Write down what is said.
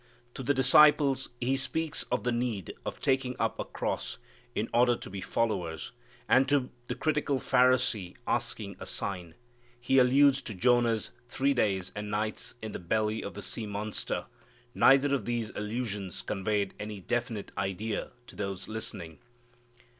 To the disciples He speaks of the need of taking up a "cross" in order to be followers, and to the critical Pharisee asking a sign, He alludes to Jonah's three days and nights in the belly of the sea monster. Neither of these allusions conveyed any definite idea to those listening.